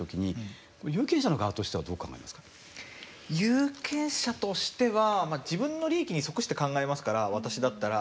有権者としては自分の利益に即して考えますから私だったら。